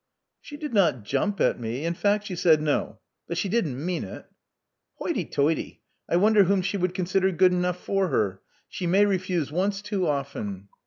*' *'She did not jump at me. In fact she said no; but she didn't mean it. *'Hoity toity! I wonder whom she would consider good enough for her. She may refuse once too often.